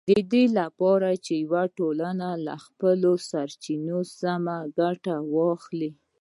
د دې لپاره چې یوه ټولنه له خپلو سرچینو سمه ګټه واخلي